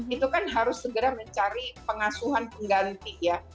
itu kan harus segera mencari pengasuhan pengganti ya